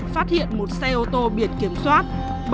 phát hiện một xe ô tô biển kiểm soát